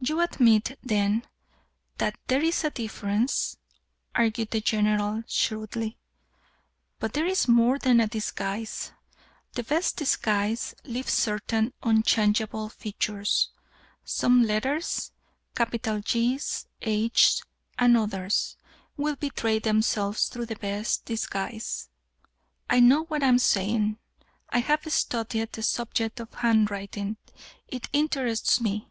"You admit, then, that there is a difference?" argued the General, shrewdly. "But there is more than a disguise. The best disguise leaves certain unchangeable features. Some letters, capital G's, H's, and others, will betray themselves through the best disguise. I know what I am saying. I have studied the subject of handwriting; it interests me.